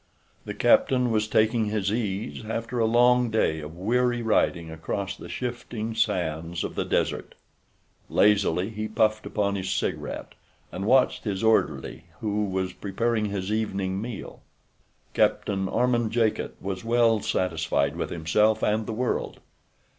The captain was taking his ease after a long day of weary riding across the shifting sands of the desert. Lazily he puffed upon his cigarette and watched his orderly who was preparing his evening meal. Captain Armand Jacot was well satisfied with himself and the world.